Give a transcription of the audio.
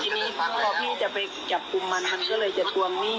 พี่ว่าพี่จะไปจับกุมารร์ฉันก็เลยจะจัดวงหนี้